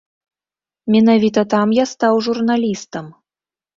Менавіта там я стаў журналістам.